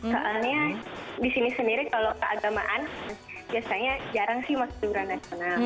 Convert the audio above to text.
soalnya disini sendiri kalau keagamaan biasanya jarang sih masuk liburan nasional